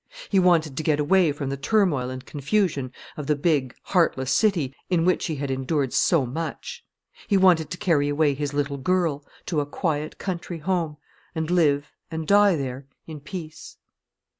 He wanted to get away from the turmoil and confusion of the big, heartless city, in which he had endured so much; he wanted to carry away his little girl to a quiet country home, and live and die there in peace.